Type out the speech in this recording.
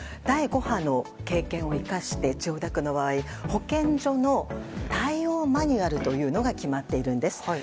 第５波の経験を生かして保健所の対応マニュアルというのが決まっているんです。